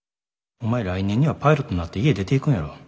お前来年にはパイロットになって家出ていくんやろ。